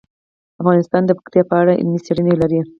افغانستان د پکتیا په اړه علمي څېړنې لري.